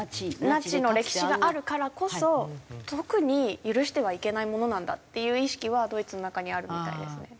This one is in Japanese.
ナチの歴史があるからこそ特に許してはいけないものなんだっていう意識はドイツの中にあるみたいですね。